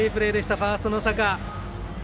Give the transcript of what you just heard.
ファースト、能坂。